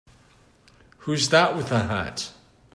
Who's that with the hat?